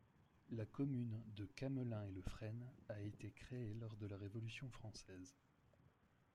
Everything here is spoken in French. La commune de Camelin-et-le-Fresne a été créée lors de la Révolution française.